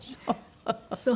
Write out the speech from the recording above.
そう。